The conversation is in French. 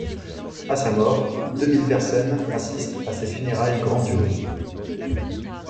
À sa mort, deux mille personnes assistent à ses funérailles grandioses.